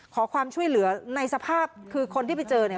ขอความช่วยเหลือในสภาพคือคนที่ไปเจอเนี่ย